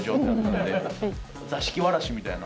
座敷わらしみたいな。